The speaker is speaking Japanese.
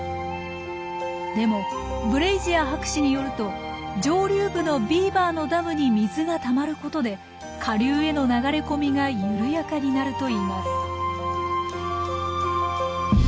でもブレイジアー博士によると上流部のビーバーのダムに水がたまることで下流への流れ込みが緩やかになるといいます。